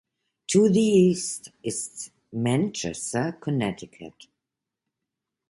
To the east is Manchester, Connecticut.